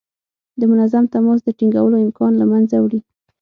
د منظم تماس د ټینګولو امکان له منځه وړي.